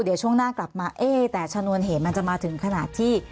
เดี๋ยวช่วงหน้ากลับมาเอ๊ะแต่ชนวนเหตุมันจะมาถึงขนาดที่